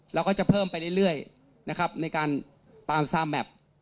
เราก็จะเพิ่มไปเรื่อยนะครับในการตามซามแมพ